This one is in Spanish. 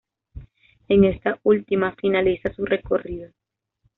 En esta última finaliza su recorrido.